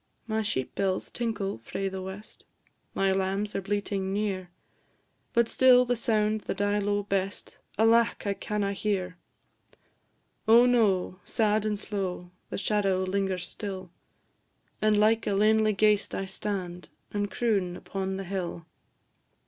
My sheep bells tinkle frae the west, My lambs are bleating near; But still the sound that I lo'e best, Alack! I canna hear. Oh, no! sad and slow, The shadow lingers still; And like a lanely ghaist I stand, And croon upon the hill.